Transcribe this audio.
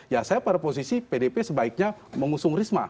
ya saya pada posisi pdp sebaiknya mengusung risma